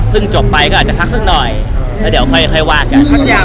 พึ่งจบไปก็อาจจะพักสักหน่อยแล้วเดี๋ยวค่อยค่อยวางกันพักยาว